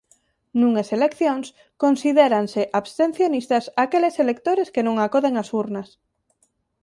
Nunhas eleccións considéranse "abstencionistas" aqueles electores que non acoden ás urnas.